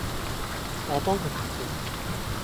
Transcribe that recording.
我幫佢談判